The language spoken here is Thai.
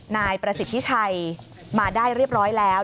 นายประสิทธิชัยมาได้เรียบร้อยแล้ว